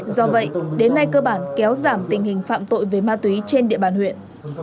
do vậy đến nay cơ bản kéo giảm tình hình phạm tội về ma túy trên địa bàn huyện